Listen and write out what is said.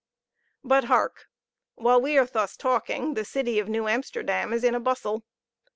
But, hark! while we are thus talking, the city of New Amsterdam is in a bustle.